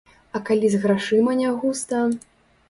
А калі з грашыма нягуста?